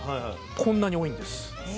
こんなに多いんです。